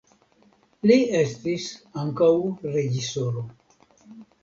Li estis ankaŭ reĝisoro.